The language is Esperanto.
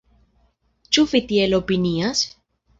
Ĉu vi tiel opinias?